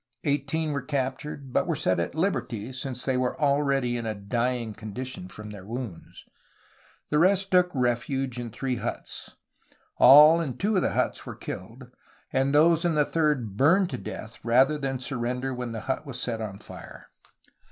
Eighteen were captured, but were set at Uberty since they were already in a dying condition from their wounds. The rest took refuge in three huts. All in two 'of the huts were killed, and those in the third burned to death rather than surrender when the hut was set on fire.